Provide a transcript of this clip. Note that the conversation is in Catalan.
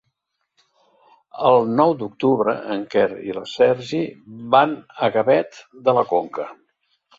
El nou d'octubre en Quer i en Sergi van a Gavet de la Conca.